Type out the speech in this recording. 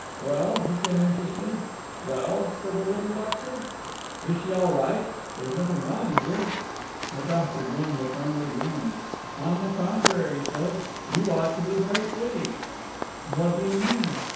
"Well?" he said anxiously. "Well?" said the little doctor. "Is she all right? There's nothing wrong, is there?" The doctor grinned a friendly grin. "On the contrary," he said. "You ought to be very pleased." "What do you mean?"